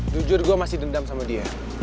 jujur gue masih dendam sama dia